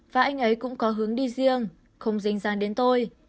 và anh ấy cũng có hướng đi riêng không dinh dáng đến tôi